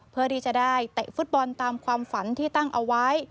เพื่อที่จะได้เตะฟุตบอลตามความฝันที่ตั้งเอาไว้